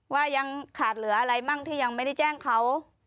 ว่ายังขาดเหลืออะไรมั่งที่ยังไม่ได้แจ้งเขา